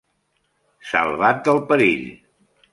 Salvat del perill